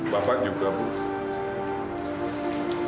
bapak juga bu